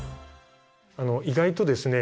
意外とですね